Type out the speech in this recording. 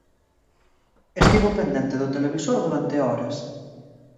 Estivo pendente do televisor durante horas.